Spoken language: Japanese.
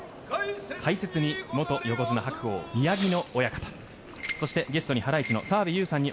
解説に元横綱・白鵬宮城野